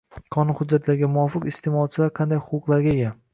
Qonun hujjatlariga muvofiq, iste’molchilar qanday huquqlarga ega?